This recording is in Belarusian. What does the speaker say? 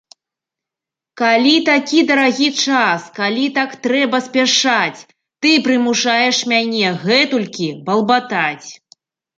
Калі такі дарагі час, калі так трэба спяшаць, ты прымушаеш мяне гэтулькі балбатаць!